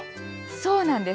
そうなんです。